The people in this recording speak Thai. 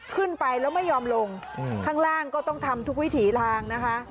ขึ้นไปแล้วไม่ยอมลงข้างล่างก็ต้องทำทุกวิถีทางนะคะ